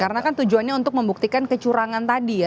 karena kan tujuannya untuk membuktikan kecurangan tadi ya